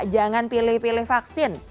jangan pilih pilih vaksin